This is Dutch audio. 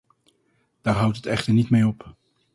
Daar houdt het echter niet mee op.